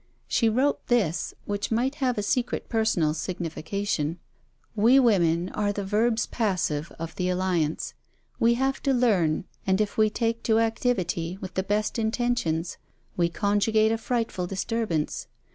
She wrote this, which might have a secret personal signification: 'We women are the verbs passive of the alliance; we have to learn, and if we take to activity, with the best intentions, we conjugate a frightful disturbance.